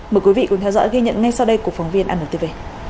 mời quý vị cùng theo dõi ghi nhận ngay sau đây của phóng viên antv